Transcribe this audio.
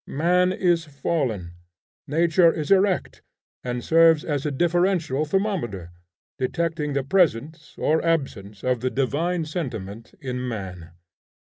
Man is fallen; nature is erect, and serves as a differential thermometer, detecting the presence or absence of the divine sentiment in man.